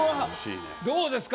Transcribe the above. どうですか？